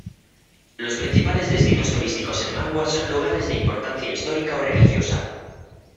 Los principales destinos turísticos en Malwa son lugares de importancia histórica o religiosa.